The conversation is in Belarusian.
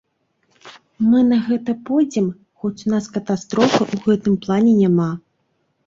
Мы на гэта пойдзем, хоць у нас катастрофы ў гэтым плане няма.